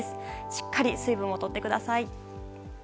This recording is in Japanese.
しっかり水分を取ってください。